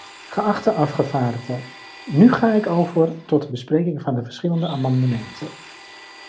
Geachte afgevaardigden, nu ga ik over tot de bespreking van de verschillende amendementen.